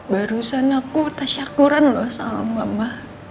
barusan aku tasyakuran loh sama mama